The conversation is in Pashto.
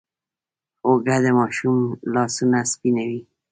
اوړه د ماشوم لاسونه سپینوي